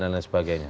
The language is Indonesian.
dan lain sebagainya